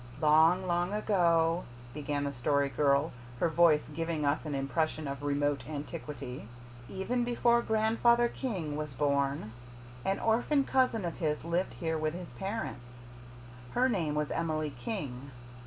"Long, long ago," began the Story Girl, her voice giving us an impression of remote antiquity, "even before Grandfather King was born, an orphan cousin of his lived here with his parents. Her name was Emily King.